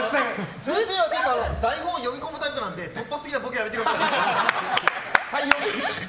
先生は台本読み込むタイプなので突発的なボケやめてください！